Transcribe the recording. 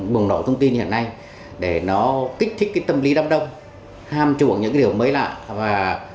bùng nổ thông tin hiện nay để kích thích tâm lý đám đông ham chuộng những điều mới lạ